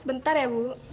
sebentar ya bu